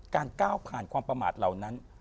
ก้าวผ่านความประมาทเหล่านั้น